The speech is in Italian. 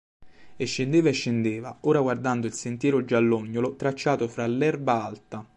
E scendeva e scendeva, ora guardando il sentiero giallognolo tracciato fra l'erba alta.